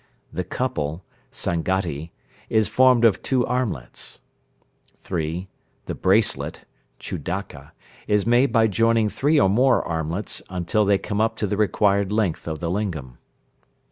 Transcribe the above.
"The couple" (Sanghati) is formed of two armlets. (3). "The bracelet" (Chudaka) is made by joining three or more armlets, until they come up to the required length of the lingam.